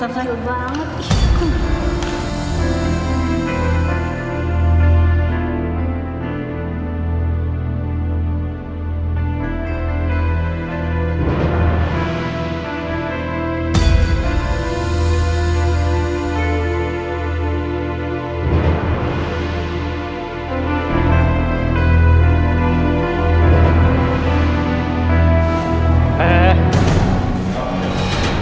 hai hai eh gue ganaring